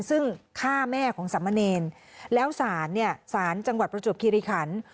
ซึ่งฆ่าแม่ของสามเณรแล้วศาลเนี่ยสารจังหวัดประจวบคิริขัน